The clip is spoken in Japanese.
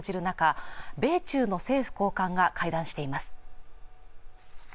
中米中の政府高官が会談しています